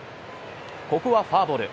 ここはフォアボール。